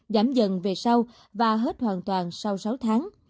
giảm dần về sau và hết hoàn toàn sau sáu tháng